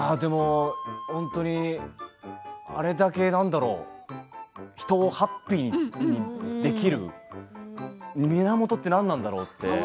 本当にあれだけ何だろう人をハッピーにできる源って何だろうって。